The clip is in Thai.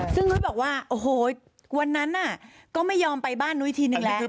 ซึ่งนุ้ยบอกว่าโอ้โหวันนั้นก็ไม่ยอมไปบ้านนุ้ยทีนึงแล้ว